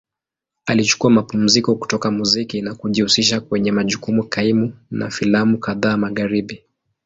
Alichukua mapumziko kutoka muziki na kujihusisha kwenye majukumu kaimu na filamu kadhaa Magharibi.